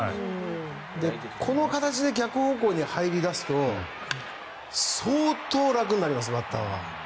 この形で逆方向に入り出すと相当、楽になりますバッターは。